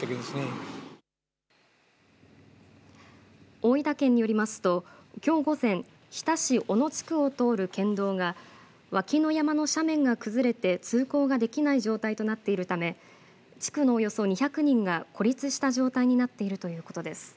大分県によりますときょう午前、日田市小野地区を通る県道が脇の山の斜面が崩れて通行ができない状態となっているため地区のおよそ２００人が孤立した状態になっているということです。